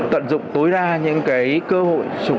tận dụng tối ra những cái cơ hội